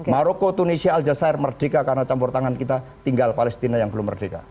maroko tunisi al jasair merdeka karena campur tangan kita tinggal palestina yang belum merdeka